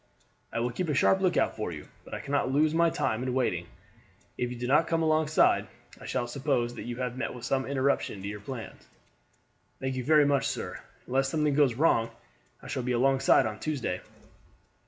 I will keep a sharp lookout for you, but I cannot lose my time in waiting. If you do not come alongside I shall suppose that you have met with some interruption to your plans." "Thank you very much, sir. Unless something goes wrong I shall be alongside on Tuesday."